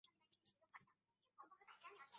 上述一水一地都是商部落活动的区域。